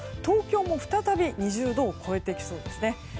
東京も再び２０度を超えてきそうですね。